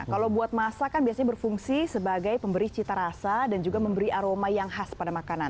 kalau buat masak kan biasanya berfungsi sebagai pemberi cita rasa dan juga memberi aroma yang khas pada makanan